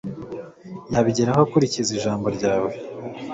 Yabigeraho akurikiza ijambo ryawe